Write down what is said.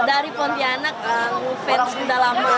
dari pontianak fans udah lama